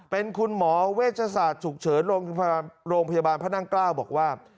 เป็นคุณหมอเวชศาสตร์ฉุกเฉินโรงพยาบาลพระนั่งเกล้าบอกว่า